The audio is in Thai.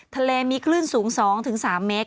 ทะเลมีคลื่นสูง๒๓เมตร